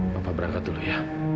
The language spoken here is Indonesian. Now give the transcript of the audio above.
papa berangkat dulu ya